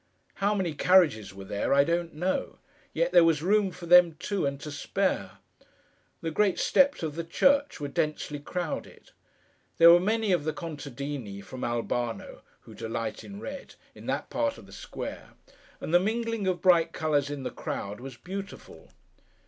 How many carriages were there, I don't know; yet there was room for them too, and to spare. The great steps of the church were densely crowded. There were many of the Contadini, from Albano (who delight in red), in that part of the square, and the mingling of bright colours in the crowd was beautiful.